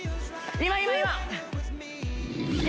今今今今！